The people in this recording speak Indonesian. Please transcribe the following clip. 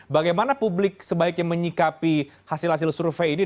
bagaimana publik sebaiknya menyikapi hasil hasil survei ini